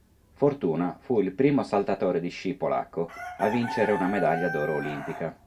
Fortuna fu il primo saltatore di sci polacco a vincere una medaglia d'oro olimpica.